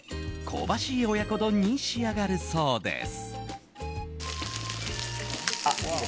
香ばしい親子丼に仕上がるそうです。